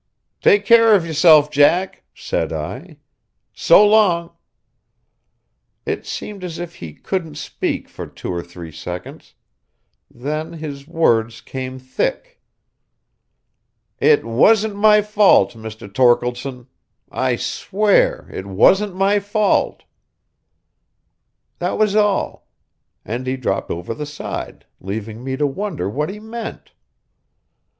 "Take care of yourself, Jack," said I. "So long!" It seemed as if he couldn't speak for two or three seconds; then his words came thick. "It wasn't my fault, Mr. Torkeldsen. I swear it wasn't my fault!" That was all; and he dropped over the side, leaving me to wonder what he meant.